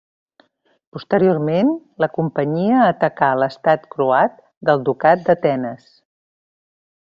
Posteriorment la companyia atacà l'Estat croat del Ducat d'Atenes.